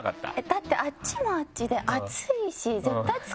だってあっちもあっちで。